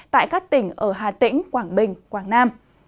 tại các tỉnh ở hà tĩnh quảng bình quảng nam